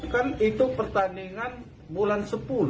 kan itu pertandingan bulan sepuluh